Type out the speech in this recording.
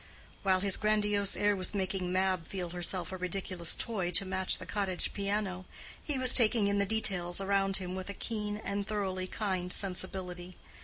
While his grandiose air was making Mab feel herself a ridiculous toy to match the cottage piano, he was taking in the details around him with a keen and thoroughly kind sensibility.